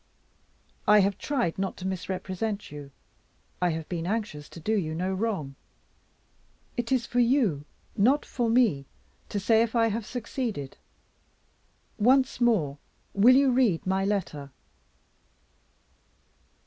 I have tried not to misrepresent you; I have been anxious to do you no wrong. It is for you, not for me, to say if I have succeeded. Once more, will you read my letter?"